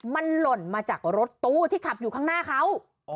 มันหล่นมาจากรถตู้ที่ขับอยู่ข้างหน้าเขา